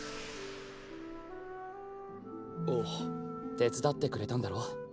手伝ってくれたんだろ？